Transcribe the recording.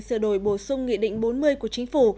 sửa đổi bổ sung nghị định bốn mươi của chính phủ